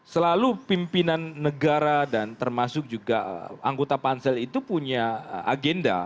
selalu pimpinan negara dan termasuk juga anggota pansel itu punya agenda